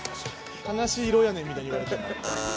「悲しい色やねん」みたいに言われても。